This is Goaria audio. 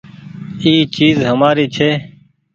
اي چيز همآري ڇي۔